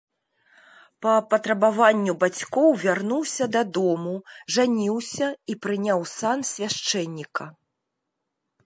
Па патрабаванню бацькоў вярнуўся дадому, жаніўся і прыняў сан свяшчэнніка.